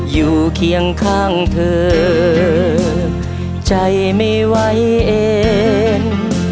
เคียงข้างเธอใจไม่ไหวเอง